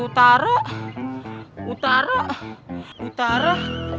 utara utara utara